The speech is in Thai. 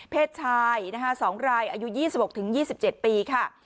ชาย๒รายอายุ๒๖๒๗ปีค่ะ